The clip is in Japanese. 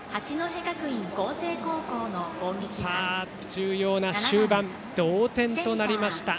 重要な終盤同点となりました。